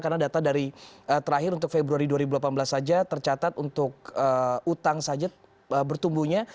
karena data dari terakhir untuk februari dua ribu delapan belas saja tercatat untuk utang saja bertumbuhnya